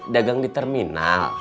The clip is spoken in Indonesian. dagang di terminal